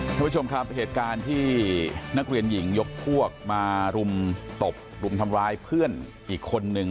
คุณผู้ชมครับเหตุการณ์ที่นักเรียนหญิงยกพวกมารุมตบรุมทำร้ายเพื่อนอีกคนนึง